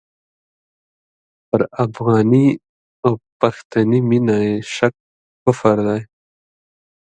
پر افغاني او پښتني مینه یې شک کفر دی.